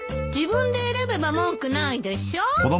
自分で選べば文句ないでしょ？